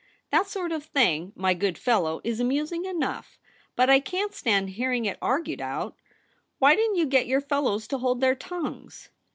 That sort of thing, my good fellow, is amusing enough ; but I can't stand 128 THE REBEL ROSE. hearing it argued out. Why didn't you get your fellows to hold their tongues